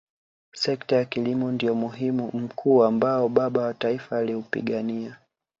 sekta ya kilimo ndio mhimili mkuu ambao baba wa taifa aliupigania